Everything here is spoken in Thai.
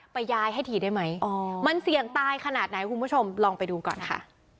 ย้ายให้ทีได้ไหมมันเสี่ยงตายขนาดไหนคุณผู้ชมลองไปดูก่อนค่ะ